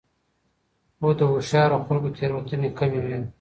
خو د هوښیارو خلکو تېروتنې کمې وي.